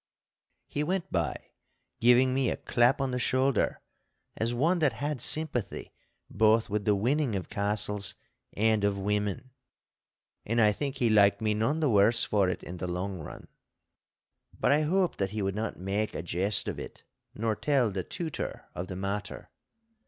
He went by, giving me a clap on the shoulder, as one that had sympathy both with the winning of castles and of women. And I think he liked me none the worse for it in the long run. But I hoped that he would not make a jest of it nor tell the Tutor of the matter.